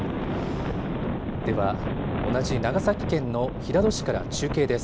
では、同じ長崎県の平戸市から中継です。